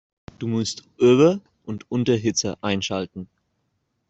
Du musst Ober- und Unterhitze einschalten.